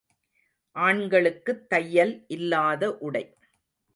ஆண்களுக்குத் தையல் இல்லாத உடை.